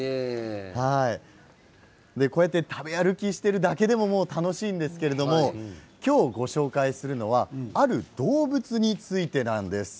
こうやって食べ歩きしているだけでも楽しいんですけれど今日ご紹介するのはある動物についてなんです。